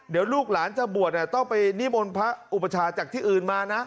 เดี๋ยวลูกหลานเจ้าบวชเนี่ยต้องไปนิ้มพระอุปชาจากที่อื่นมานะ